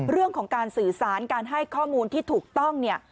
เรื่องของการสื่อสารการให้ข้อมูลที่ถูกต้องเนี่ย